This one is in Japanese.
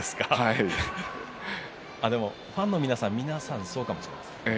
ファンの皆さんもそうかもしれません。